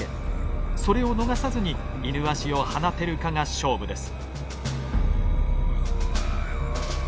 それを逃さずにイヌワシを放てるかが勝負です。